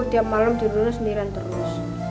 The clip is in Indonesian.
tiap malem tidurnya sendirian terus